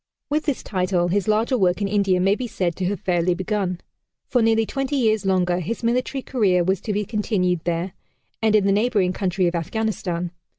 With this title his larger work in India may be said to have fairly begun. For nearly twenty years longer his military career was to be continued there, and in the neighboring country of Afghanistan.